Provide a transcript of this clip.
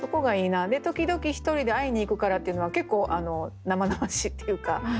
で「時々ひとりで会いに行くから」っていうのは結構生々しいっていうかね。